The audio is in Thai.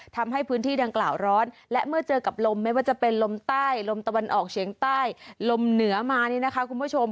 ทำให้พื้นที่ดังกล่าวร้อนและเมื่อเจอกับลมไม่ว่าจะเป็นลมใต้ลมตะวันออกเฉียงใต้ลมเหนือมานี่นะคะคุณผู้ชม